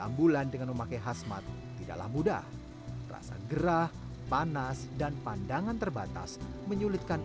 ambulan dengan memakai khasmat tidaklah mudah rasa gerah panas dan pandangan terbatas menyulitkan